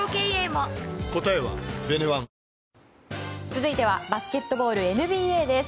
続いてバスケットボールＮＢＡです。